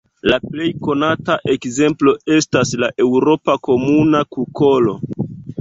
La plej konata ekzemplo estas la eŭropa Komuna kukolo.